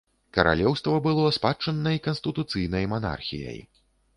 Каралеўства было спадчыннай канстытуцыйнай манархіяй.